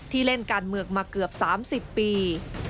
เล่นการเมืองมาเกือบ๓๐ปี